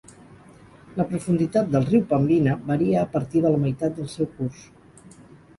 La profunditat del riu Pembina varia a partir de la meitat del seu curs.